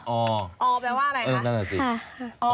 ออเพราะว่าอย่างไรค่ะ